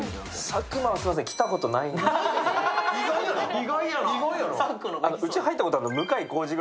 意外やな。